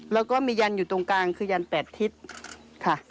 แล้วก็มียันอยู่ตรงกลางคือยัน๘ทิศค่ะ